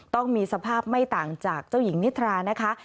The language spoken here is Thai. ต้องมีสภาพไม่ต่างจากเจ้าหญิงนิทรานะคะ